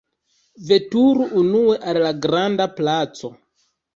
Veturu unue al la granda placo!